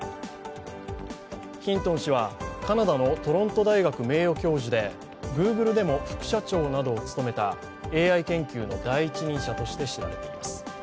ヒントン氏は、カナダのトロント大学名誉教授で、グーグルでも副社長などを務めたＡＩ研究の第一人者として知られます。